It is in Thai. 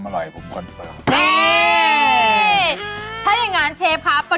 เริ่มค่ะเชฟ